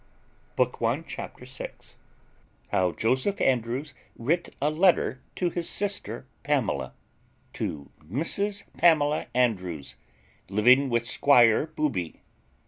CHAPTER VI. How Joseph Andrews writ a letter to his sister Pamela. "To MRS PAMELA ANDREWS, LIVING WITH SQUIRE BOOBY.